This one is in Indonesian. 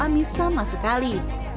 dan juga tidak terlalu lemah sekali